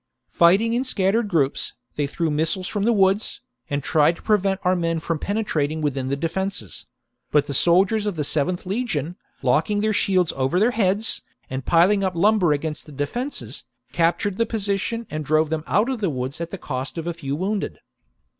Fighting in scattered groups, they threw missiles from the woods, and tried to prevent our men from penetrating within the defences ; but the soldiers of the 7th legion, locking their shields over their heads, and piling up lumber against the defences, captured the position and drove them out of the woods at the cost of a few wounded.